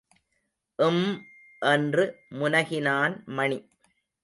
ம் என்று முனகினான் மணி.